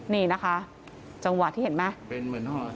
นี่นะคะจังหวะที่เห็นไหม